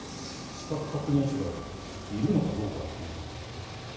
資格確認書がいるのかどうかっていう。